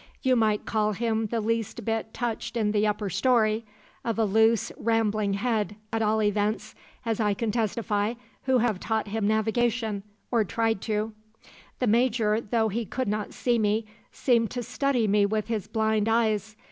You might call him the least bit touched in the upper story; of a loose, rambling head, at all events, as I can testify, who have taught him navigation or tried to.' "The Major, though he could not see me, seemed to study me with his blind eyes.